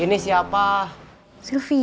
ya udah kita pulang dulu aja